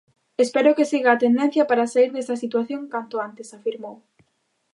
"Espero que siga a tendencia para saír desta situación canto antes", afirmou.